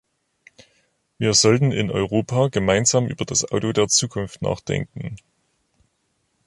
Wir sollten in Europa gemeinsam über das Auto der Zukunft nachdenken.